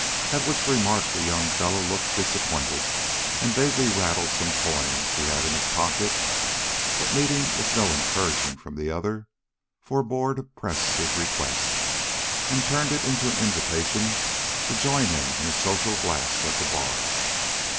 At which remark the young fellow looked disappointed and vaguely rattled some coins he had in his pocket; but, meeting with no encouragement from the other, forbore to press his request, and turned it into an invitation to join him in a social glass at the bar.